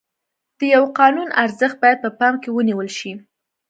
د یوه قانون ارزښت باید په پام کې ونیول شي.